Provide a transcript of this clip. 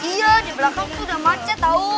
iya di belakang udah macet tau